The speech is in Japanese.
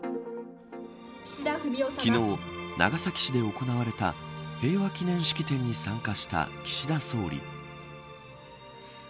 昨日、長崎市で行われた平和祈念式典に参加した岸田総理。